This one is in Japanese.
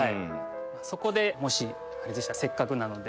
そこでもしあれでしたらせっかくなので。